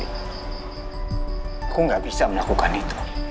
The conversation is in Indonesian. aku gak bisa melakukan itu